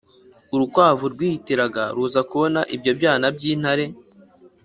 urukwavu rwihitiraga, ruza kubona ibyo byana by'intare